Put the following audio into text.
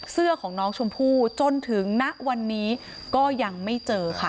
เสื้อของน้องชมพู่จนถึงณวันนี้ก็ยังไม่เจอค่ะ